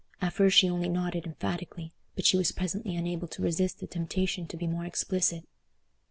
At first she only nodded emphatically, but she was presently unable to resist the temptation to be more explicit.